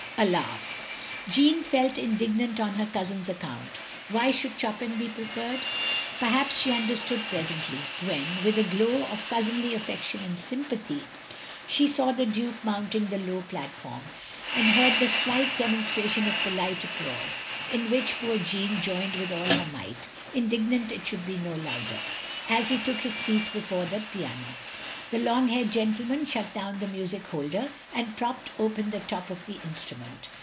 A laugh. Jeanne felt indignant on her cousin's account. Why should Chopin be preferred? Perhaps she understood presently, when (with quite a glow of cousinly affection and sympathy) OF GROSVENOR SQUARE 189 she saw the Duke motinting the low platform, and heard the slight demonstration of polite applatise (in which poor Jeanne joined with all her might, indignant it should be no louder) as he took his seat before the piano. The long haired gentleman shut down the music holder, and propped open the top of the instrument.